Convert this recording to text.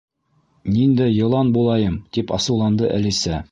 —Ниндәй йылан булайым! —тип асыуланды Әлисә.